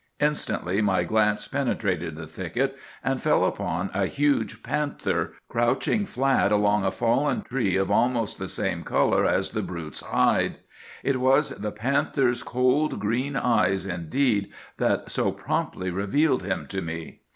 Instantly my glance penetrated the thicket, and fell upon a huge panther crouching flat along a fallen tree of almost the same color as the brute's hide. It was the panther's cold green eyes indeed that so promptly revealed him to me.